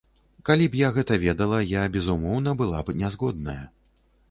Калі б я гэта ведала, я, безумоўна, была б нязгодная.